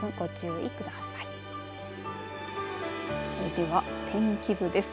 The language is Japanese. では天気図です。